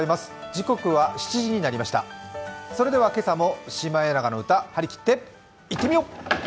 それでは今朝も「シマエナガの歌」、張り切っていってみよう。